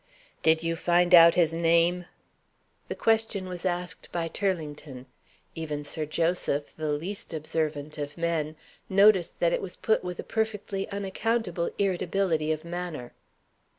"Did you find out his name?" The question was asked by Turlington. Even Sir Joseph, the least observant of men, noticed that it was put with a perfectly unaccountable irritability of manner.